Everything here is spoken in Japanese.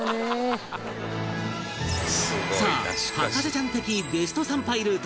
さあ博士ちゃん的ベスト参拝ルート